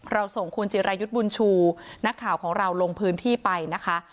ส่งคุณจิรายุทธ์บุญชูนักข่าวของเราลงพื้นที่ไปนะคะ